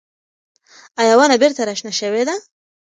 ایا ونه بېرته راشنه شوې ده؟